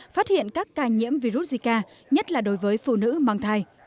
phát hiện các ca nhiễm virus zika nhất là đối với phụ nữ mang thai